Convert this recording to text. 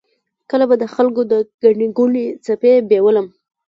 کله به د خلکو د ګڼې ګوڼې څپې بیولم.